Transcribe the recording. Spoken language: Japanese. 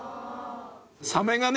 サメがね